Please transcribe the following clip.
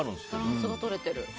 バランスがとれてる。